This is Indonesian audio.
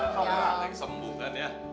neng sembuhkan ya